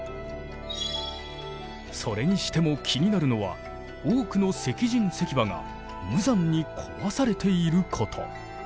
それにしても気になるのは多くの石人石馬が無残に壊されていること。